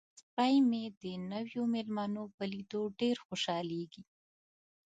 سپی مې د نویو میلمنو په لیدو ډیر خوشحالیږي.